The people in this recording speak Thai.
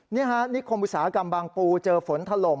นี่ค่ะนิคมุสากำบางปูเจอฝนถล่ม